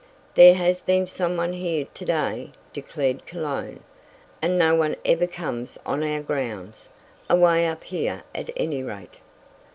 "There has been some one here to day," declared Cologne, "and no one ever comes on our grounds away up here at any rate."